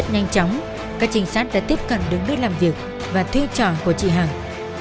rất nhanh chóng các chính sách đã tiếp cận đứng lưu làm việc và thui chọn của chị hằng